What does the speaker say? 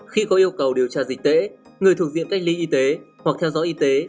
khi có yêu cầu điều tra dịch tễ người thuộc diện cách ly y tế hoặc theo dõi y tế